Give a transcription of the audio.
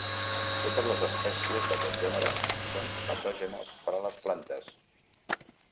Totes les espècies d'aquest gènere són patògenes per a les plantes.